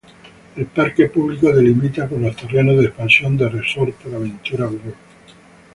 El parque público delimita con los terrenos de expansión del resort PortAventura World.